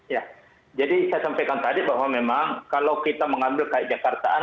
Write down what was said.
ya jadi saya sampaikan tadi bahwa memang kalau kita mengambil kayak jakartaan